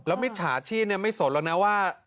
แล้วมิจฉาที่ไม่สนแล้วแน่วะ